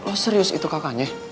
oh serius itu kakaknya